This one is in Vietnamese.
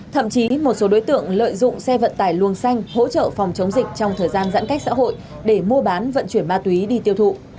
thậm chí một số đối tượng lợi dụng xe vận tải luồng xanh hỗ trợ phòng chống dịch trong thời gian giãn cách xã hội để mua bán vận chuyển ma túy đi tiêu thụ